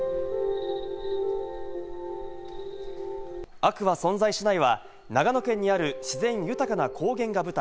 『悪は存在しない』は、長野県にある自然豊かな高原が舞台。